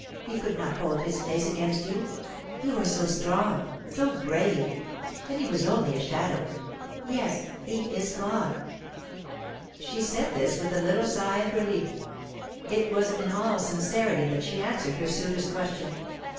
"He could not hold his place against you you are so strong so brave; and he was only a shadow. Yes, he is gone." She said this with a little sigh of relief. It was in all sincerity that she answered her suitor's question.